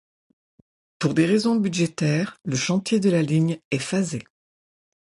Pour des raisons budgétaires, le chantier de la ligne est phasé.